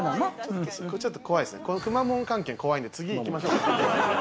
くまモン関係怖いので、次、行きましょう。